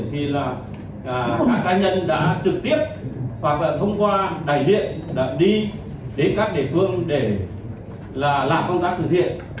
thì là các cá nhân đã trực tiếp hoặc là thông qua đại diện đi đến các địa phương để làm công tác từ thiện